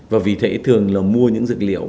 và vì thế thường là mua những dược liệu